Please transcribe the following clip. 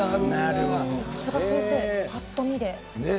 さすが先生、ぱっと見で。